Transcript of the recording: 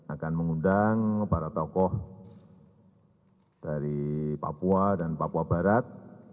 dan juga akan mengundang para tokoh dari papua dan papua barat